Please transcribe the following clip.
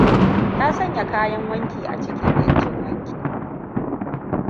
Ta sanya kayan wanki cikin injin wanki.